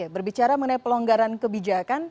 berbicara mengenai pelonggaran kebijakan